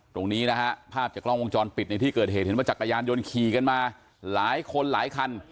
ตรงนี้นะฮะภาพจากกล้องวงจรปิดในที่เกิดเหตุเห็นว่าจักรยานยนต์ขี่กันมาหลายคนหลายคัน